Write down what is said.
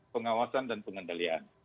pengawasan dan pengendalian